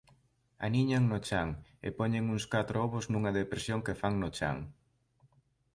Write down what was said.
Aniñan no chan e poñen uns catro ovos nunha depresión que fan no chan.